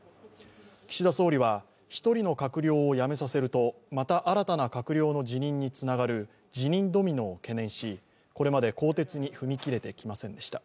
岸田総理は、一人の閣僚を辞めさせるとまた新たな閣僚の辞任につながる辞任ドミノを懸念しこれまで更迭に踏み切れてきませんでした。